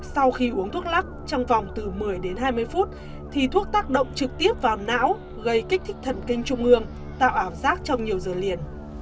sau khi uống thuốc lắc trong vòng từ một mươi đến hai mươi phút thì thuốc tác động trực tiếp vào não gây kích thích thần kinh trung ương tạo ảo giác trong nhiều giờ liền